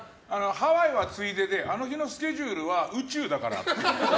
ハワイはついでであの日のスケジュールは宇宙だから。